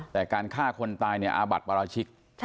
แต่การฆ่าคนตายเนี่ยอาบัติปราชิก